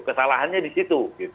kesalahannya di situ